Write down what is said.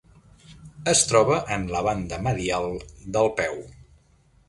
Es troba en la banda medial del peu.